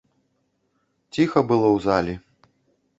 Ціха было ў залі.